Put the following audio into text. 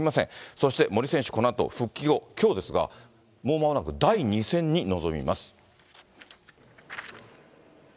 そして森選手、このあと、復帰後、きょうですが、もうまもなく第２戦に臨みます。